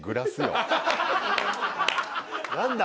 何だ？